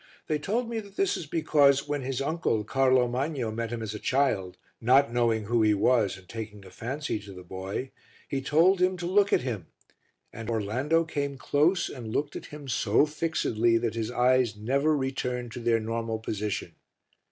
They told me that this is because when his uncle, Carlo Magno, met him as a child, not knowing who he was and taking a fancy to the boy, he told him to look at him, and Orlando came close and looked at him so fixedly that his eyes never returned to their normal position.